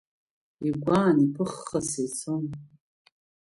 Игәаан иԥыххааса ицон.